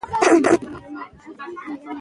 زه د نورو خلکو احساساتو ته درناوی لرم.